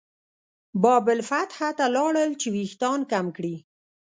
باب الفتح ته لاړل چې وېښتان کم کړي.